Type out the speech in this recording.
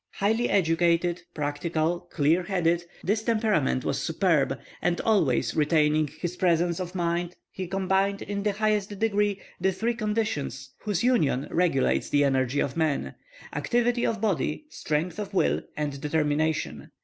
Highly educated, practical, "clear headed," his temperament was superb, and always retaining his presence of mind he combined in the highest degree the three conditions whose union regulates the energy of man: activity of body, strength of will, and determination.